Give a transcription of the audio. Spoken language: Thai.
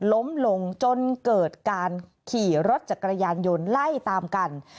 ล้มลงจนเกิดการขี่รถจักรยานยนต์ไล่ตามกัน